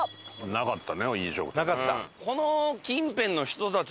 なかった。